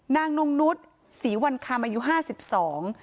นางนงนุษย์ศรีวันคำอายุห้าสิบสอง